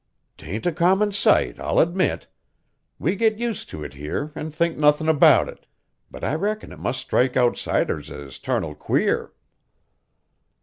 "'Tain't a common sight, I'll admit. We get used to it here an' think nothin' about it; but I reckon it must strike outsiders as 'tarnal queer."